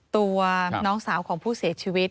ตัวน้องสาวของผู้เสียชีวิต